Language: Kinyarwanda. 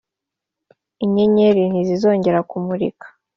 inyenyeri ntizizongera kumurika.